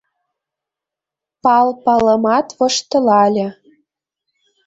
— Пал Палымат воштылале.